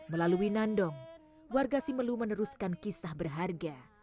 melalui nandong warga simelu meneruskan kisah berharga